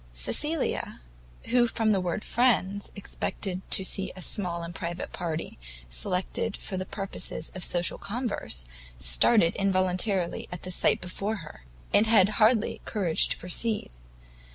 Cecilia, who from the word friends, expected to have seen a small and private party, selected for the purpose of social converse, started involuntarily at the sight before her, and had hardly courage to proceed.